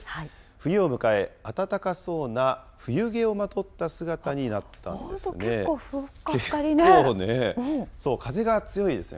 冬を迎え、暖かそうな冬毛をまとった姿になったんですね。